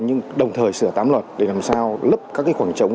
nhưng đồng thời sửa tám luật để làm sao lấp các khoảng trống